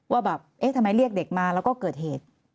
ว่าแบบเอ๊ะทำไมเรียกเด็กมาแล้วก็เกิดเหตุ